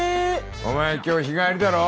お前今日日帰りだろ？